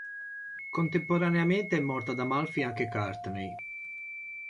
Contemporaneamente è morto ad Amalfi anche Courtney.